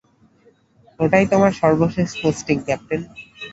এটাই তোমার সর্বশেষ পোস্টিং, ক্যাপ্টেন।